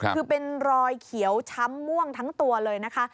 คือเป็นรอยเขียวช้ำม่วงทั้งตัวเลยนะคะ